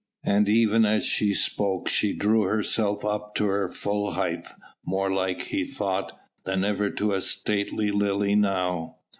And even as she spoke she drew herself up to her full height, more like, he thought, than ever to a stately lily now.